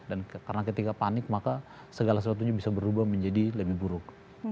dan karena ketika panik maka segala sesuatunya bisa berubah menjadi lebih buruk